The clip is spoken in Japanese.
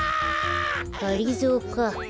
がりぞーか。